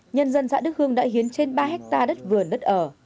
nhân dân xã đức hương đã hiến trên ba hectare đất vườn đất ở